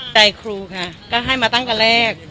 ใจครูค่ะก็ให้มาตั้งแต่แรก